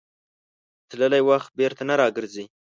تللی وخت بېرته نه راګرځي.